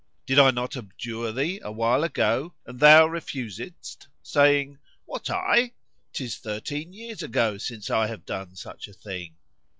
Did I not adjure thee a while ago and thou refusedst, saying, 'What, I! 'tis thirteen years ago since I have done such a thing!'"